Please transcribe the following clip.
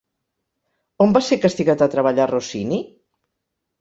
On va ser castigat a treballar Rossini?